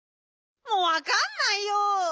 もうわかんないよ！